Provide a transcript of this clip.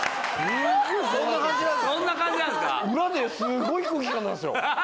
そんな感じなんですか？